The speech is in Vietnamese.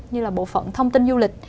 như là bộ phận thông tin du lịch